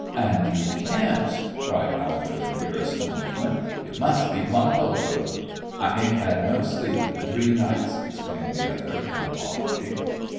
"And you camps!" cried Alfred, in pure astonishment. "You must be plumb locoed!" "I ain't had no sleep in three nights," explained the other, in apology.